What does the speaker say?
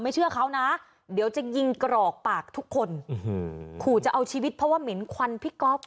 เชื่อเขานะเดี๋ยวจะยิงกรอกปากทุกคนขู่จะเอาชีวิตเพราะว่าเหม็นควันพี่ก๊อฟ